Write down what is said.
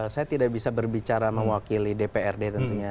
saya tidak bisa berbicara mewakili dprd tentunya